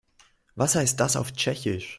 Was heißt das auf Tschechisch?